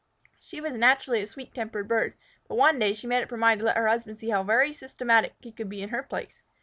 She was naturally a sweet tempered bird, but one day she made up her mind to let her husband see how systematic he could be in her place.